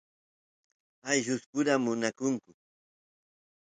ayllus pura munakunku